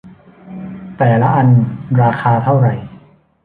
แต่ละอันราคาเท่าไหร่ ?